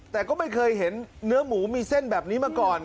แต่ก็ไม่เคยเห็นเนื้อหมูมีเส้นแบบนี้มาก่อน